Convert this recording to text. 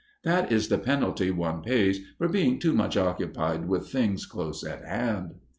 That is the penalty one pays for being too much occupied with things close at hand.